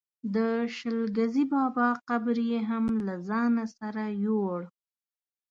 د شل ګزي بابا قبر یې هم له ځانه سره یووړ.